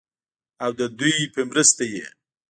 او ددوي پۀ مرسته ئې